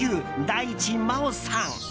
・大地真央さん。